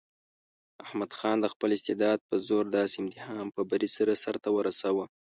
احمد خان د خپل استعداد په زور داسې امتحان په بري سره سرته ورساوه.